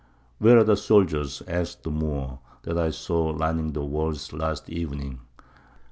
"Where are the soldiers," asked the Moor, "that I saw lining the walls last evening?"